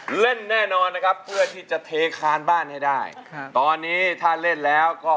เล่นแน่นอนนะครับเพื่อที่จะเทคานบ้านให้ได้ค่ะตอนนี้ถ้าเล่นแล้วก็